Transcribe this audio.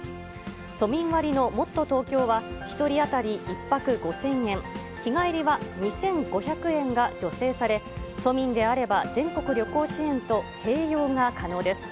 都民割のもっとＴｏｋｙｏは、１人当たり１泊５０００円、日帰りは２５００円が助成され、都民であれば、全国旅行支援と併用が可能です。